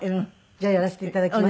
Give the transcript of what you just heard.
じゃあやらせて頂きます。